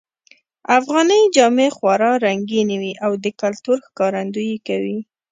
افغانۍ جامې خورا رنګینی وی او د کلتور ښکارندویې کوی